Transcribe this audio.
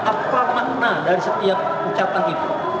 apa makna dari setiap ucapan itu